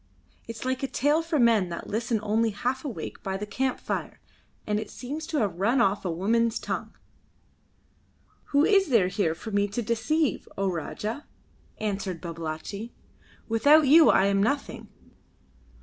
It is like a tale for men that listen only half awake by the camp fire, and it seems to have run off a woman's tongue." "Who is there here for me to deceive, O Rajah?" answered Babalatchi. "Without you I am nothing.